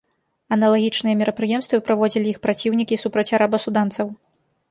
Аналагічныя мерапрыемствы праводзілі іх праціўнікі супраць араба-суданцаў.